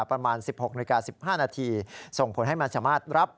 ประมาณ๑๖นาทีส่งผลให้มันสามารถรับ